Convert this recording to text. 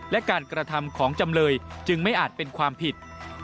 และการกระทำของจำเลยจึงไม่อาจเป็นความผิด